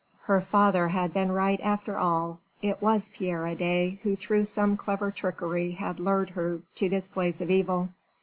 Her father had been right, after all. It was Pierre Adet who through some clever trickery had lured her to this place of evil.